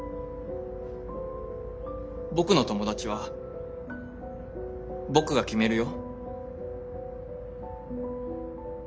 僕の友達は僕が決めるよ。